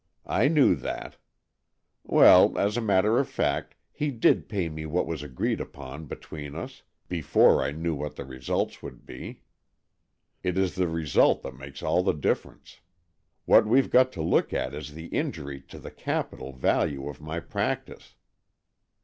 " I knew that. Well, as a matter of fact, he did pay me what was agreed upon between us, before I knew what the result would be. It is the result that makes all the difference. What we've got to look at is the injury to the capital value of my practice.